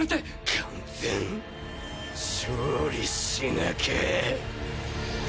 完全勝利しなきゃ。